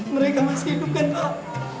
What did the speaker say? mereka masih hidup kan pak